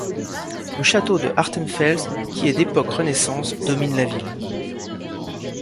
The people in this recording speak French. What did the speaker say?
Le château de Hartenfels qui est d'époque Renaissance domine la ville.